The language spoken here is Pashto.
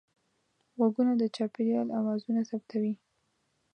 غوږونه د چاپېریال اوازونه ثبتوي